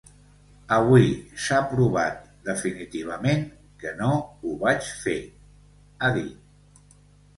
Avui s’ha provat definitivament que no ho vaig fer, ha dit.